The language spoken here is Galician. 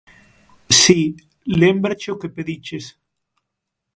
Si, lémbrache o que perdiches.